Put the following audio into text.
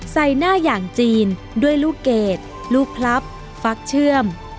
ใส่หน้าอย่างจีนด้วยลูกเกดลูกพลับฟักเชื่อม